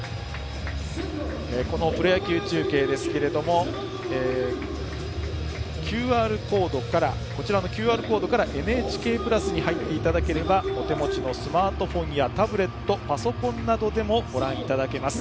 このプロ野球中継ですけれどもこちらのＱＲコードから「ＮＨＫプラス」に入りますとお手持ちのスマートフォンやタブレットパソコンなどでご覧いただけます。